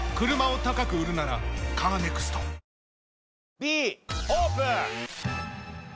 Ｂオープン！